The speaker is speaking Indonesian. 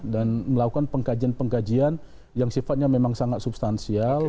melakukan pengkajian pengkajian yang sifatnya memang sangat substansial